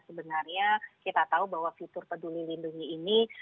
sebenarnya kita tahu bahwa fitur peduli lindungi ini